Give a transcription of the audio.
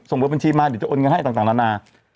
เปิดบัญชีมาเดี๋ยวจะโอนเงินให้ต่างนานา